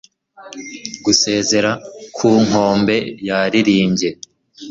gusezera, ku nkombe yaririmbye